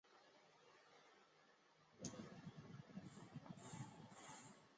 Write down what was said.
一九二九年二月再版。